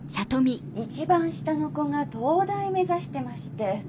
一番下の子が東大目指してまして。